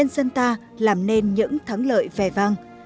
dân ta làm nên những thắng lợi vẻ vang